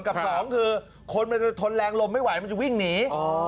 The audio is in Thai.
กับสองคือคนมันจะทนแรงลมไม่ไหวมันจะวิ่งหนี